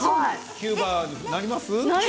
キューバになりますか？